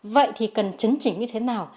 vậy thì cần chứng chỉnh như thế nào